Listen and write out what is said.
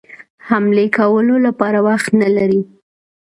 حملې کولو لپاره وخت نه لري.